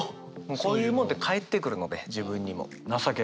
こういうもんって返ってくるので自分にも。